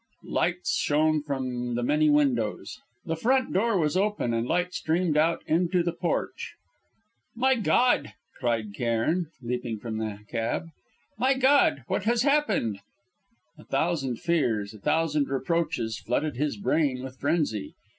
Lights shone from the many windows. The front door was open, and light streamed out into the porch. "My God!" cried Cairn, leaping from the cab. "My God! what has happened?" A thousand fears, a thousand reproaches, flooded his brain with frenzy.